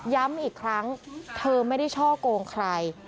ย้ำอีกครั้งเธอไม่ได้ช่อกงใคร